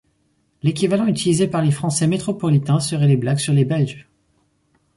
L'équivalent utilisé par les Français métropolitains serait les blagues sur les Belges.